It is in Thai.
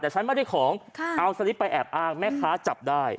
แต่ฉันไม่ได้ของเอาสลิปไปแอบอ้างแม่ค้าจับได้